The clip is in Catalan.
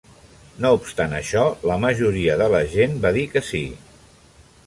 No obstant això, la majoria de la gent va dir que sí.